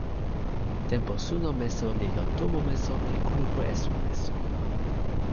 tenpo suno meso li lon tomo meso pi kulupu esun meso.